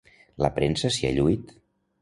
La premsa s'hi ha lluït